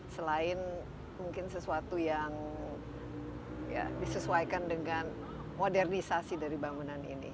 selain mungkin sesuatu yang disesuaikan dengan modernisasi dari bangunan ini